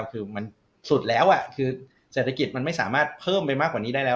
คือมันสุดแล้วคือเศรษฐกิจมันไม่สามารถเพิ่มไปมากกว่านี้ได้แล้ว